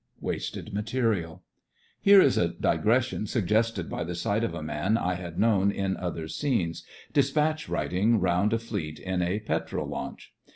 WASTED MATERIAL Here is a digression suggested by the sight of a man I had known in THE FRINGES OF THE FLEET 99 other scenes, despatch riding round a fleet in a petrol launch.